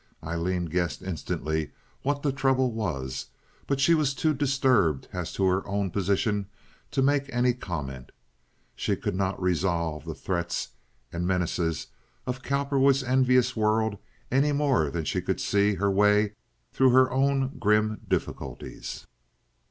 Aileen guessed instantly what the trouble was, but she was too disturbed as to her own position to make any comment. She could not resolve the threats and menaces of Cowperwood's envious world any more than she could see her way through her own grim difficulties.